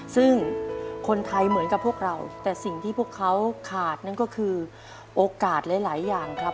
ซึ่งคนไทยเหมือนกับพวกเราแต่สิ่งที่พวกเขาขาดนั่นก็คือโอกาสหลายอย่างครับ